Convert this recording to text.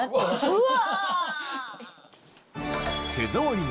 うわ！